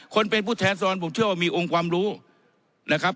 ผู้เป็นผู้แทนสอนผมเชื่อว่ามีองค์ความรู้นะครับ